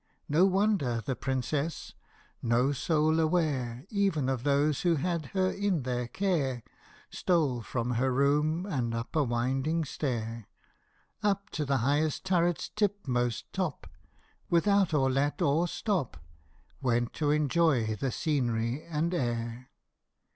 No wonder the Princess no soul aware, Even of those who had her in their care Stole from her room, and up a winding stair, Up to the highest turret's tipmost top, Without or let or stop, Went to enjoy the scenery and air